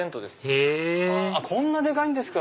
へぇこんなでかいんですか。